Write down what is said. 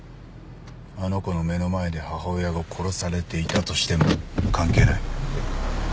あの子の目の前で母親が殺されていたとしても関係ない。